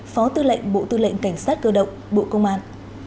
phó tư lệnh bộ tư lệnh cảnh sát cơ động bộ công an